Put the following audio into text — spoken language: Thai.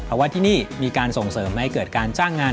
เพราะว่าที่นี่มีการส่งเสริมให้เกิดการจ้างงาน